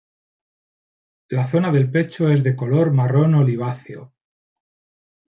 La zona del pecho es de color marrón oliváceo.